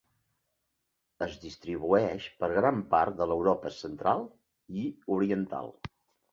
Es distribueix per gran part de l'Europa central i oriental.